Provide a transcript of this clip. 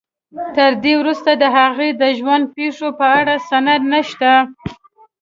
تر دې وروسته د هغې د ژوند پېښو په اړه سند نشته.